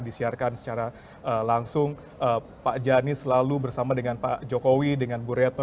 disiarkan secara langsung pak jani selalu bersama dengan pak jokowi dengan bu retno